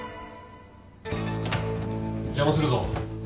・邪魔するぞ。